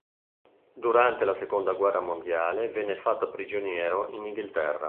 Durante la seconda guerra mondiale venne fatto prigioniero in Inghilterra.